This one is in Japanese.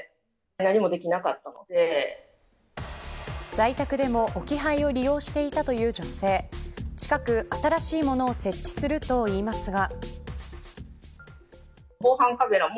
在宅でも置き配を利用していたという女性近く新しいものを設置するといいますが。